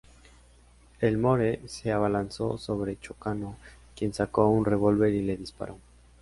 Elmore se abalanzó sobre Chocano, quien sacó un revolver y le disparó.